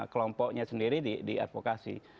kelompoknya sendiri di advokasi